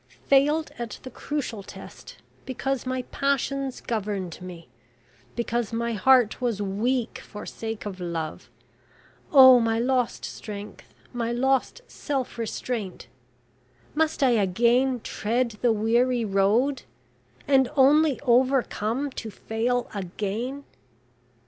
Failed at the crucial test, because my passions governed me... because my heart was weak, for sake of love... Oh, my lost strength my lost self restraint... Must I again tread the weary road... and only overcome to fail again?"